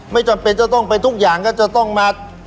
ไม่จำเป็นจะต้องไปทุกอย่างก็จะต้องมา